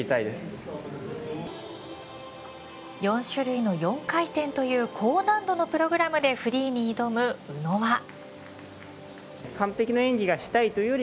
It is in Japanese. ４種類の４回転という高難度のプログラムでフリーに挑む宇野は。